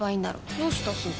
どうしたすず？